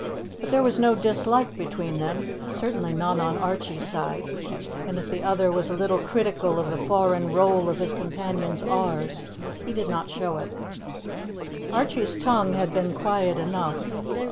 But there was no dislike between them, certainly none on Archie's side, and if the other was a little critical of the foreign roll of his companion's r's, he did not show it. Archie's tongue had been quiet enough.